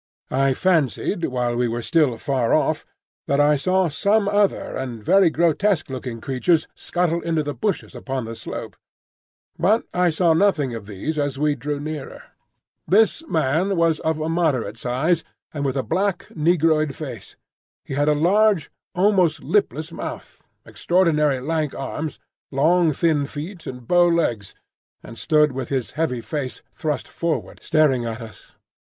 I fancied while we were still far off that I saw some other and very grotesque looking creatures scuttle into the bushes upon the slope; but I saw nothing of these as we drew nearer. This man was of a moderate size, and with a black negroid face. He had a large, almost lipless, mouth, extraordinary lank arms, long thin feet, and bow legs, and stood with his heavy face thrust forward staring at us.